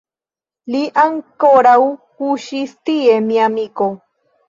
Li ankoraŭ kuŝis tie, mia amiko.